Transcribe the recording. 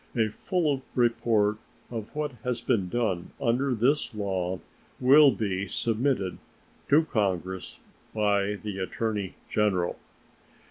A full report of what has been done under this law will be submitted to Congress by the Attorney General.